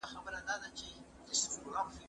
زه زدکړه نه کوم